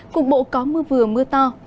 cục bộ có mưa vừa mưa to